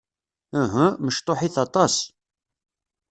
Uhu. Mecṭuḥit aṭas.